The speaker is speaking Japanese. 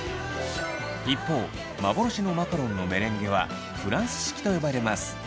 一方幻のマカロンのメレンゲはフランス式と呼ばれます。